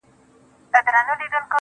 o چي زه به څرنگه و غېږ ته د جانان ورځمه.